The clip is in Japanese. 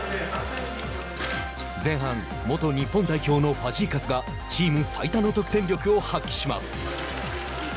前半、元日本代表のファジーカスがチーム最多の得点力を発揮します。